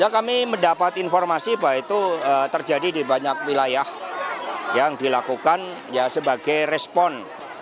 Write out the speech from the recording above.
kami mendapat informasi bahwa itu terjadi di banyak wilayah yang dilakukan sebagai respon